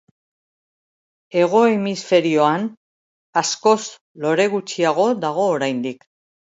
Hego Hemisferioan askoz lore gutxiago dago oraindik.